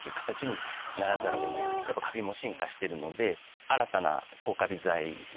カビも進化してるので。